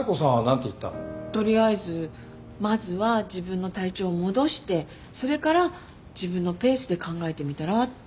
取りあえずまずは自分の体調を戻してそれから自分のペースで考えてみたらって。